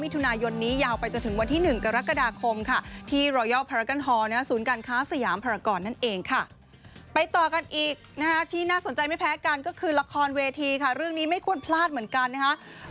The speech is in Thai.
แต่ไม่ควรพลาดเหมือนกันนะครับ